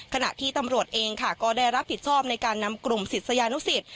ขณะที่ตำรวจเองค่ะก็ได้รับผิดชอบในการนำกลุ่มศิษยานุสิต